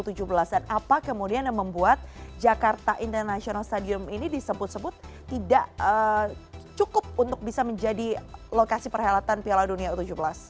dan apa kemudian yang membuat jakarta international stadium ini disebut sebut tidak cukup untuk bisa menjadi lokasi perhelatan piala dunia u tujuh belas